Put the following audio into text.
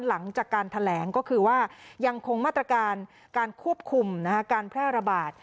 หลังจากการแถลงก็คือว่ายังคงมาตรการการควบคุมการแพร่ระบาด